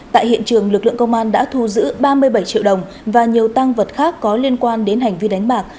tại hiện trường lực lượng công an đã thu giữ ba mươi bảy triệu đồng và nhiều tăng vật khác có liên quan đến hành vi đánh bạc